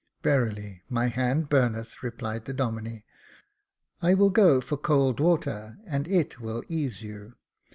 " Verily my hand burneth," replied the Domine. "I will go for cold water, and it will ease you.